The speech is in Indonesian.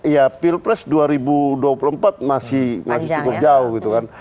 ya pilpres dua ribu dua puluh empat masih cukup jauh gitu kan